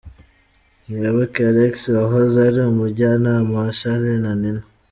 Muyoboke Alex wahoze ari umujyanama wa Charly na Nina.